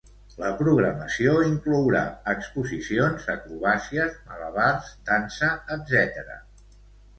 La programació inclourà exposicions, acrobàcies, malabars, dansa, etc.